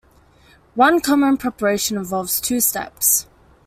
One common preparation involves two steps.